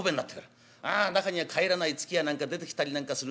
中には帰らない月やなんか出てきたりなんかする。